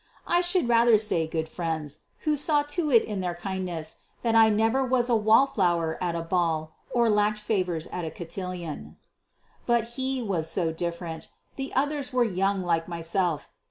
I should rather say good friends, who saw to it in their kindness that I never was a wall flower at a ball, or lacked favors at a cotillon. But he was so different. The others were young like myself.